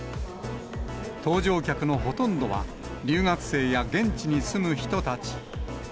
搭乗客のほとんどは、留学生や現地に住む人たち。